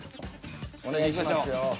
お願いしますよ。